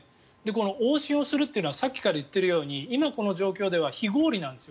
往診をするというのはさっきから言っているように今、この状況では非合理なんですよ。